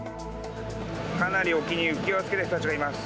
かなり沖に浮き輪つけた人たちがいます。